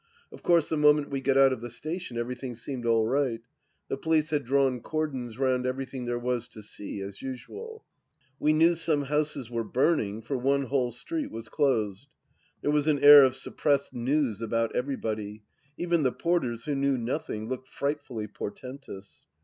Of course the moment we got out of the station everything seemed all right ; the police had drawn cordons round everything there was to see, as usual. We knew some houses were burning, for one whole street was closed. There was an air of suppressed news about every body; even the porters, who knew nothing, looked fright fully portentous.